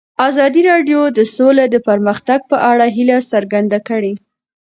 ازادي راډیو د سوله د پرمختګ په اړه هیله څرګنده کړې.